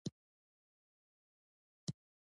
ځمکه د افغانستان د اجتماعي جوړښت یوه ډېره مهمه برخه ده.